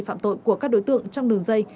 phạm tội của các đối tượng trong đường dây